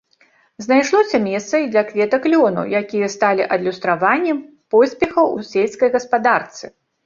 Знайшлося месца і для кветак лёну, якія сталі адлюстраваннем поспехаў у сельскай гаспадарцы.